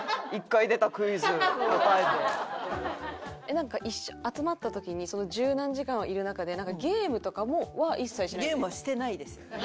なんか集まった時に十何時間はいる中でゲームとかは一切しない？